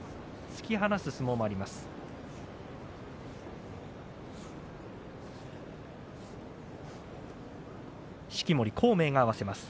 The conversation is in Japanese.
突き放す相撲もあります。